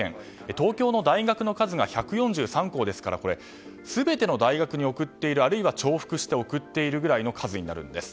東京の大学の数が１４３校ですから全ての大学に送っているあるいは重複して送っているぐらいの数になるんです。